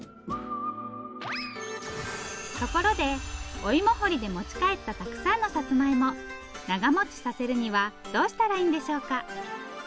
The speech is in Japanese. ところでおいも掘りで持ち帰ったたくさんのさつまいも長もちさせるにはどうしたらいいんでしょうか？